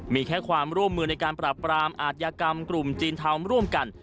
มีแค่ความร่วมมือในการปรับปรามอาทยากรรมกลุ่มจีนทำร่วมกัน